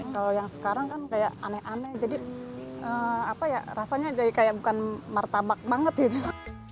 kalau yang sekarang kan kayak aneh aneh jadi rasanya jadi kayak bukan martabak banget gitu